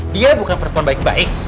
dia bukan perempuan baik baik